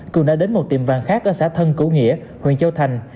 cường đã đến một tiệm vàng khác ở xã thân cửu nghĩa huyện châu thành